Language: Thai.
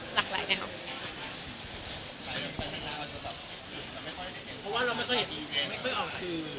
เพราะว่าเราไม่เคยออกสื่อ